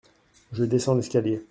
Je descends l'escalier.